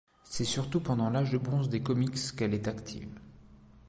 C'est surtout pendant l'âge de bronze des comics qu'elle est active.